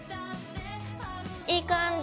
いい感じ。